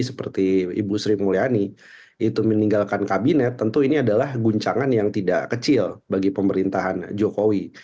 seperti ibu sri mulyani itu meninggalkan kabinet tentu ini adalah guncangan yang tidak kecil bagi pemerintahan jokowi